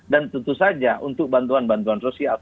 dan tentu saja untuk bantuan bantuan sosial